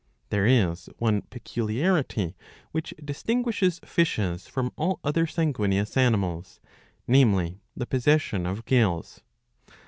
^" There is one peculiarity which distinguishes fishes from all other sanguineous animals, namely, the possession of gills.